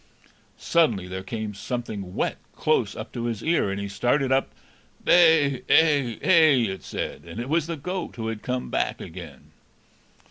Suddenly there came something wet close up to his ear, and he started up. "Bay ay ay!" it said; and it was the goat, who had come back again.